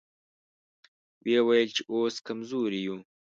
ويې ويل چې اوس کمزوري يو.